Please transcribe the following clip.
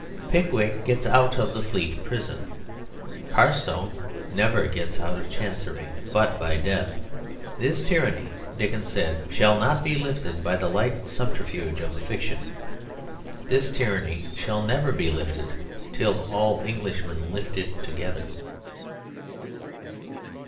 Pickwick gets out of the Fleet Prison; Carstone never gets out of Chancery but by death. This tyranny, Dickens said, shall not be lifted by the light subterfuge of a fiction. This tyranny shall never be lifted till all Englishmen lift it together.